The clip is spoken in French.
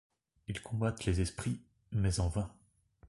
Ils combattent les esprits, mais en vain.